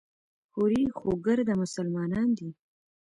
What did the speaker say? هورې خو ګرده مسلمانان دي.